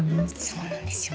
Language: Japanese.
そうなんですよ。